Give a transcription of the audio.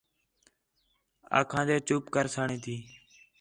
آکھان٘دے چُپ کرسݨ تی وِہ